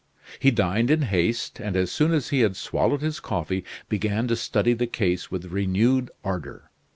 He dined in haste, and as soon as he had swallowed his coffee began to study the case with renewed ardor.